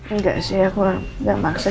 enggak sih aku nggak maksa